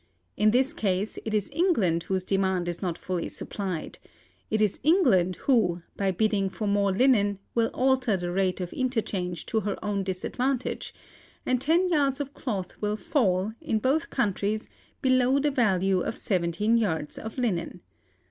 In this case, it is England whose demand is not fully supplied; it is England who, by bidding for more linen, will alter the rate of interchange to her own disadvantage; and ten yards of cloth will fall, in both countries, below the value of seventeen yards of linen.